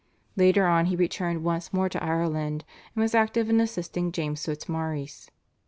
Later on he returned once more to Ireland, and was active in assisting James Fitzmaurice.